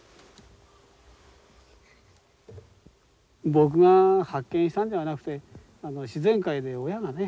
僕が発見したんではなくて自然界で親がね